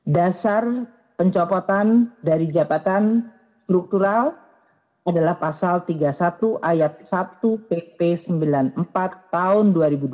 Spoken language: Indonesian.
dasar pencopotan dari jabatan struktural adalah pasal tiga puluh satu ayat satu pp sembilan puluh empat tahun dua ribu dua puluh satu